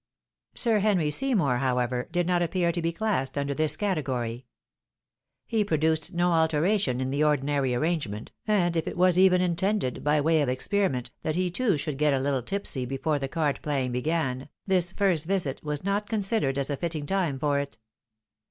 '' Sir Henry Seymour, however, did not appear to be classed under this category. He produced no alteration in the ordinary arrangement, and if it was even intended, by way of experiment, that he too should get a little tipsy before the card playing began, this first visit was not considerd as a fitting time for it.